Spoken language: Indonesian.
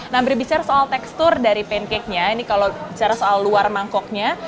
nah berbicara soal tekstur dari pancake nya ini kalau bicara soal luar mangkoknya